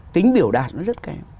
tính biểu đạt nó rất kém